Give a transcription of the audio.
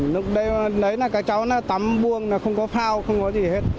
lúc đấy là cái cháu nó tắm buông nó không có phao không có gì hết